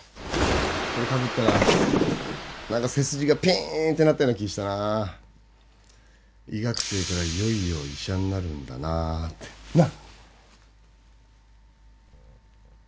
これかぶったらなんか背筋がピーンてなったような気がしたな医学生からいよいよ医者になるんだなーってなッ